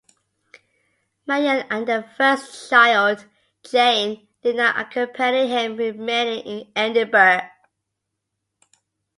Marion and their first child Jane did not accompany him remaining in Edinburgh.